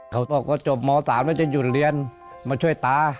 เขาตอบว่าจบม๓แล้วจะหยุดเรียนมาช่วยตา